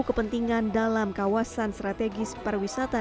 kepentingan dalam kawasan strategis pariwisata